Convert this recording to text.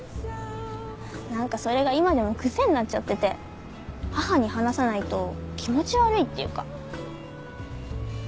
何かそれが今でも癖になっちゃってて母に話さないと気持ち悪いっていうか。